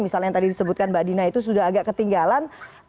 misalnya yang tadi disebutkan mbak dina itu sudah agak ketinggalan